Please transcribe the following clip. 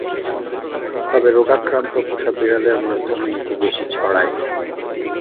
তবে রোগাক্রান্ত পোষা বিড়ালের মাধ্যমে এটি বেশি ছড়ায়।